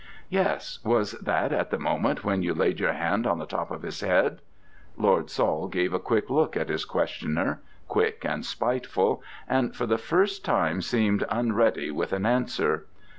"Yes: was that at the moment when you laid your hand on the top of his head?" Lord Saul gave a quick look at his questioner quick and spiteful and for the first time seemed unready with an answer.